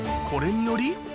これにより。